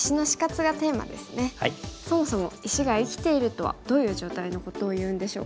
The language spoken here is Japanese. そもそも石が生きているとはどういう状態のことをいうんでしょうか。